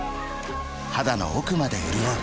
肌の奥まで潤う